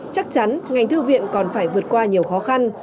chắc chắn ngành thư viện còn phải vượt qua nhiều khó khăn